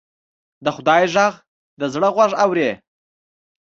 د خدای غږ د زړه غوږ اوري